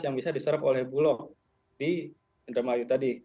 yang bisa diserap oleh bulog di indramayu tadi